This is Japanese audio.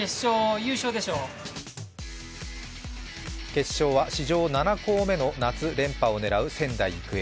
決勝は史上７校目の夏連覇を狙う仙台育英。